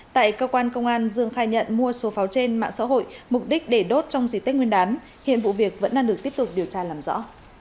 tại cơ quan công an dương khai nhận mua số pháo trên mạng xã hội mục đích để đốt trong dịp tết nguyên đán hiện vụ việc vẫn đang được tiếp tục điều tra làm rõ